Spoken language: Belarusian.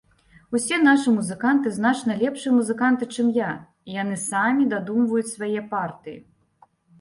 Усе нашы музыканты значна лепшыя музыканты, чым я, і яны самі дадумваюць свае партыі.